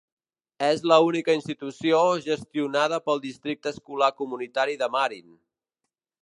És la única institució gestionada pel districte escolar comunitari de Marin.